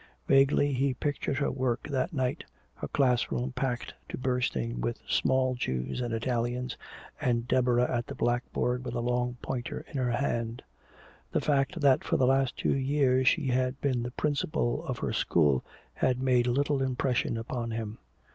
Vaguely he pictured her work that night, her class room packed to bursting with small Jews and Italians, and Deborah at the blackboard with a long pointer in her hand. The fact that for the last two years she had been the principal of her school had made little impression upon him.